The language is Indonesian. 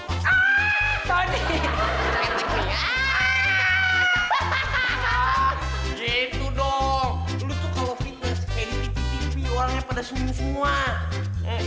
lo tuh kalau fitness kayak di cctv orangnya pada sumu sumuah